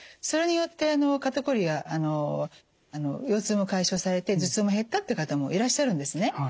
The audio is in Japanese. それによって肩コリや腰痛も解消されて頭痛も減ったという方もいらっしゃるんですね。